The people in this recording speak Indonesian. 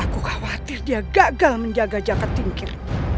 aku khawatir dia gagal menjaga jaket tingkir